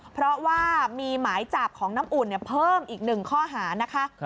เพราะว่ามีหมายจับของน้ำอุ่นเพิ่มอีก๑ข้อหานะคะ